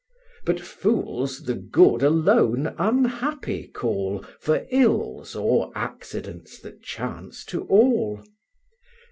But fools the good alone unhappy call, For ills or accidents that chance to all.